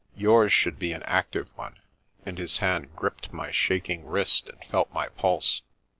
Yours should be an active one," and his hand gripped my shaking wrist and felt my pulse.